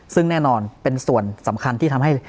ซึ่งแน่นอนเป็นส่วนสำคัญที่ทำให้